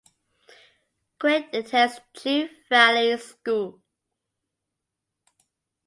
Craig attends Chew Valley School.